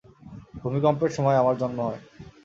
ভুমিকম্পের সময় আমার জন্ম হয়।